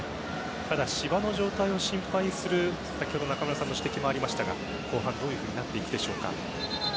ただ芝の状態を心配する先ほど中村さんの指摘もありましたが後半どうなっていくでしょうか。